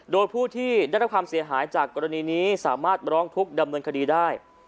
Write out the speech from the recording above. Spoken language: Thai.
โดยผู้ที่ได้รับความเสียหายจากกรณีนี้สามารถร้องทุกข์ดำเนินคดีได้